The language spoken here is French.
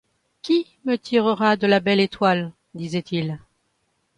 Qui me tirera de la belle étoile? disait-il.